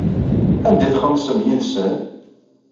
Anda ay txemmsem yid-sen?